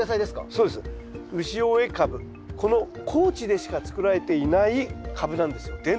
この高知でしか作られていないカブなんですよ。